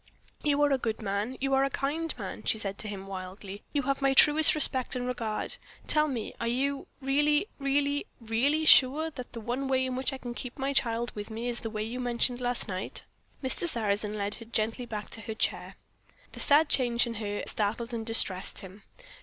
"You are a good man, you are a kind man," she said to him wildly; "you have my truest respect and regard. Tell me, are you really really really sure that the one way in which I can keep my child with me is the way you mentioned last night?" Mr. Sarrazin led her gently back to her chair. The sad change in her startled and distressed him.